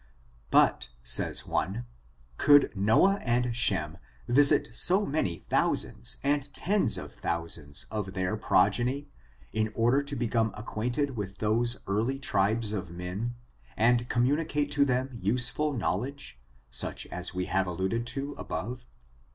But, says one, could Noah and Shem visit so many thousands and tens of thousands of their progeny, in order to become acquainted with those early tribes of men, and communicate to them useful knowledge, such as we have alluded to above